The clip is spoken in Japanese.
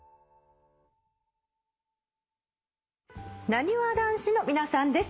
なにわ男子の皆さんです。